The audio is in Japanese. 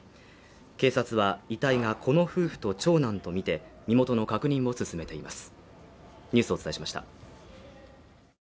警察は遺体がこの夫婦と長男とみて身元の確認を進めています。